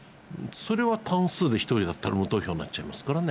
それは単数で１人だったら無投票になっちゃいますからね。